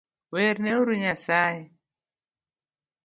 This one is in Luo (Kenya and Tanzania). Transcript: Werne uru nyasae